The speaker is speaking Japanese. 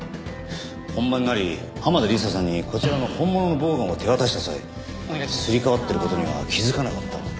本番になり濱田梨沙さんにこちらの本物のボウガンを手渡した際すり替わってる事には気づかなかった？